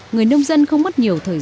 người nông dân không mất nhiều thời gian